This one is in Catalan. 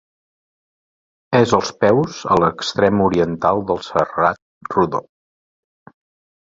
És als peus, a l'extrem oriental, del Serrat Rodó.